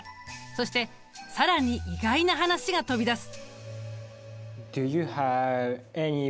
そして更に意外な話が飛び出す。